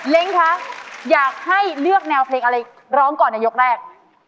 คะอยากให้เลือกแนวเพลงอะไรร้องก่อนในยกแรก